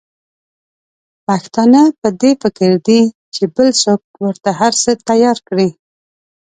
پښتانه په دي فکر کې دي چې بل څوک ورته هرڅه تیار کړي.